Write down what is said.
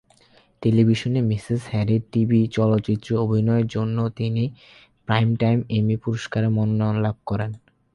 টেলিভিশনে "Mrs Harris" TV চলচ্চিত্রে অভিনয়ের জন্য তিনি একটি প্রাইমটাইম এমি পুরস্কারের মনোনয়ন লাভ করেন।